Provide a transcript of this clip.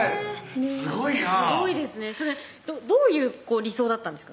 すごいなぁすごいですねどういう理想だったんですか？